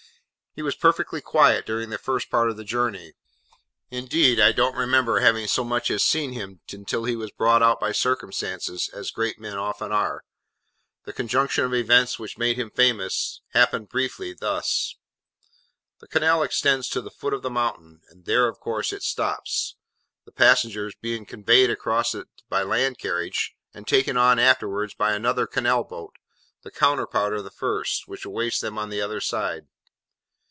He was perfectly quiet during the first part of the journey: indeed I don't remember having so much as seen him until he was brought out by circumstances, as great men often are. The conjunction of events which made him famous, happened, briefly, thus. The canal extends to the foot of the mountain, and there, of course, it stops; the passengers being conveyed across it by land carriage, and taken on afterwards by another canal boat, the counterpart of the first, which awaits them on the other side.